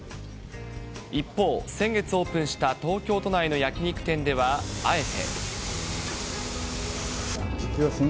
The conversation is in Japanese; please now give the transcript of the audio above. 一方、先月オープンした東京都内の焼き肉店ではあえて。